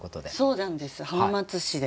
そうなんです浜松市です。